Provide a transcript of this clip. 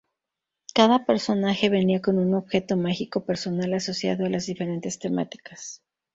Cada personaje venía con un objeto mágico personal asociado a las diferentes temáticas.